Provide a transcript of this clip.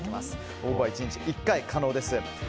応募は１日１回可能です。